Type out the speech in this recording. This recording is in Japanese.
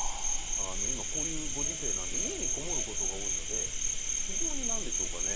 今こういうご時世なんで家にこもることが多いので非常に何でしょうかね